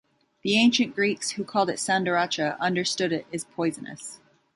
The ancient Greeks, who called it "sandaracha", understood it is poisonous.